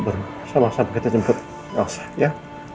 baru sama sama kita jemput elsa ya